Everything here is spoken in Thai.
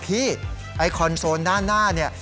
ไอ้คอนโซลด้านหน้าเนี่ย